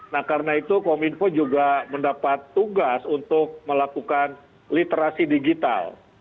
nah karena itu kominfo juga mendapat tugas untuk melakukan literasi digital